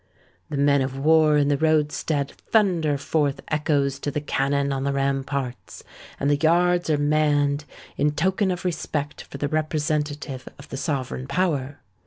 The men of war in the roadstead thunder forth echoes to the cannon on the ramparts; and the yards are manned in token of respect for the representative of the sovereign power.